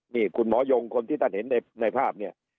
นี่คุณหมอยงคนที่ท่านเห็นในภาพเนี่ย